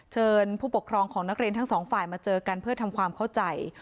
เชิญผู้ปกครองของนักเรียนทั้งสองฝ่ายมาเจอกันเพื่อทำความเข้าใจ